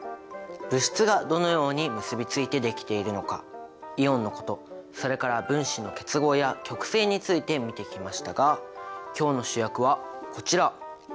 物質がどのように結びついてできているのかイオンのことそれから分子の結合や極性について見てきましたが今日の主役はこちら！